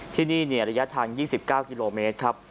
ที่นี่ระยะทาง๒๙กิโลเมตรครับ